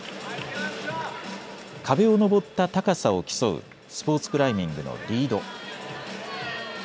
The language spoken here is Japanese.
壁を登った高さを競うスポーツクライミングのリード。